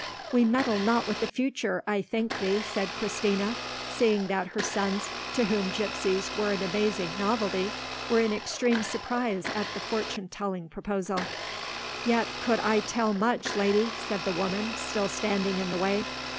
"We meddle not with the future, I thank thee," said Christina, seeing that her sons, to whom gipsies were an amazing novelty, were in extreme surprise at the fortune telling proposal. "Yet could I tell much, lady," said the woman, still standing in the way.